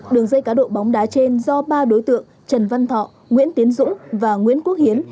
đường dây cá độ bóng đá trên do ba đối tượng trần văn thọ nguyễn tiến dũng và nguyễn quốc hiến